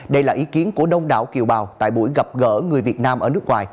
đây là ý kiến của đông đảo kiều bào tại buổi gặp gỡ người việt nam ở nước ngoài